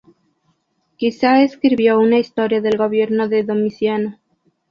Quizá escribió una historia del gobierno de Domiciano.